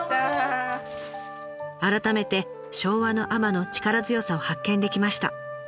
改めて昭和の海女の力強さを発見できました。